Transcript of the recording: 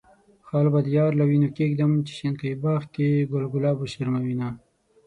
خال به د يار له وينو کيږدم، چې شينکي باغ کې ګل ګلاب وشرموينه.